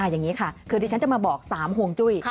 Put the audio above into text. อย่างนี้ค่ะคือที่ฉันจะมาบอก๓ห่วงจุ้ย